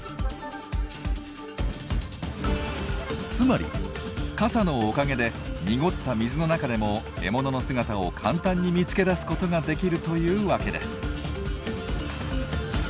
つまり傘のおかげで濁った水の中でも獲物の姿を簡単に見つけ出すことができるというわけです。